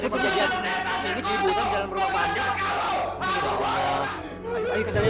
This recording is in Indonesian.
sudah menghentikan masa yang sedikit pak